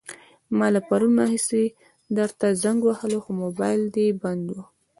ما له پرون راهيسې درته زنګ وهلو، خو موبايل دې بند وو.